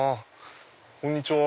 こんにちは。